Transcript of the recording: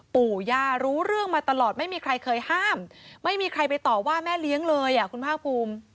ปู่ย่ารู้เรื่องมาตลอดไม่มีใครเคยห้ามไม่มีใครไปต่อว่าแม่เลี้ยงเลยอ่ะคุณภาคภูมิ